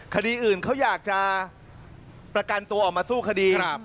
คดีอื่นเขาอยากจะประกันตัวออกมาสู้คดี